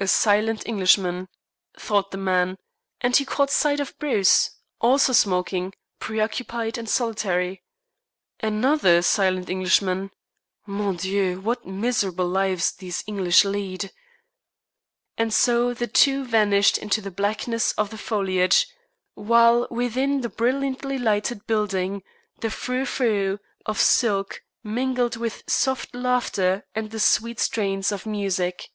"A silent Englishman," thought the man; and he caught sight of Bruce, also smoking, preoccupied, and solitary. "Another silent Englishman. Mon Dieu! What miserable lives these English lead!" And so the two vanished into the blackness of the foliage, while, within the brilliantly lighted building, the frou frou of silk mingled with soft laughter and the sweet strains of music.